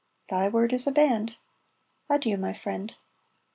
"Thy word is a band." "Adieu, my friend."